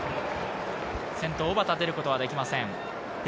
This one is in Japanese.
先頭・小幡、出ることはできません。